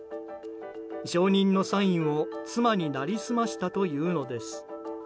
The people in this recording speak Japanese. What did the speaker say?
証人のサインを妻に成りすましたというのです。